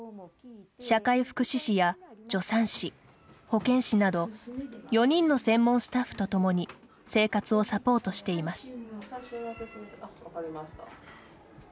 社会福祉士や助産師、保健師など４人の専門スタッフとともに生活をサポートしています。